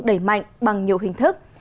đẩy mạnh bằng nhiều hình thức